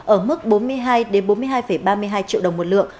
ở mức bốn mươi hai bốn mươi hai ba mươi hai triệu đồng một lượng